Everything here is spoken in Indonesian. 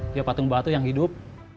dia patung batu yang hidup